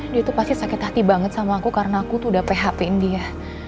dia tuh pasti sakit hati banget sama aku karena aku tuh udah phpin dia